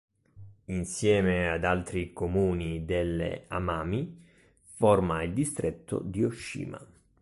Insieme ad altri comuni delle Amami forma il Distretto di Ōshima.